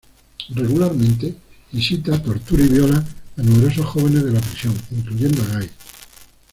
Regularmente visita, tortura y viola a numerosos jóvenes de la prisión, incluyendo a Guys.